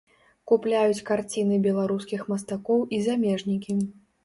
Купляюць карціны беларускіх мастакоў і замежнікі.